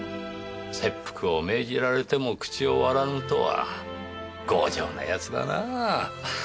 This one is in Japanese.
切腹を命じられても口を割らぬとは強情な奴だなあ。